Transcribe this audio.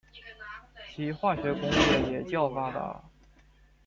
其化学工业也较发达。